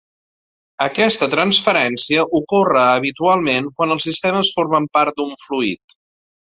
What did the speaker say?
Aquesta transferència ocorre habitualment quan els sistemes formen part d'un fluid.